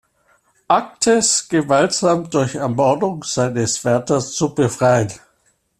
Aktes gewaltsam durch Ermordung seines Wärters zu befreien.